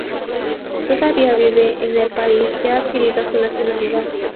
Todavía vive en el país y ha adquirido su nacionalidad.